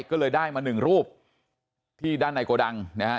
ก็เลยได้มาหนึ่งรูปที่ด้านในโกดังนะฮะ